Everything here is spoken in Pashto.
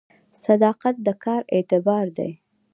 صداقت د کار اعتبار دی